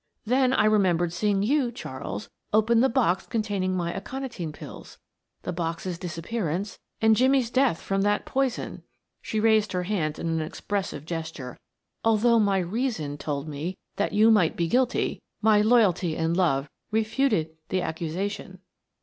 Then I remembered seeing you, Charles, open the box containing my aconitine pills, the box's disappearance, and Jimmie's death from that poison" she raised her hands in an expressive gesture. "Although my reason told me that you might be guilty, my loyalty and love refuted the accusation."